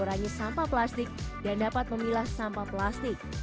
mengurangi sampah plastik dan dapat memilah sampah plastik